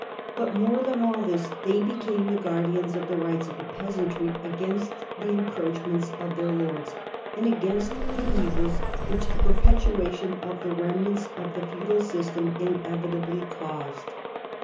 But more than all else, , they became the guardians of the rights of the peasantry against the encroachments of their lords, and against the evils which the perpetuation of the remnants of the Feudal System inevitably caused.